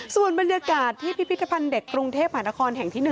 ส่วนบรรยากาศที่พิพิธภัณฑ์เด็กกรุงเทพหานครแห่งที่๑